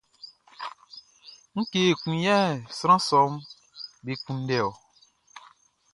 Ngue ekun yɛ sran sɔʼm be kunndɛ ɔ?